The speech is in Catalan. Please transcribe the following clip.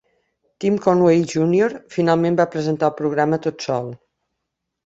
Tim Conway Junior finalment va presentar el programa tot sol.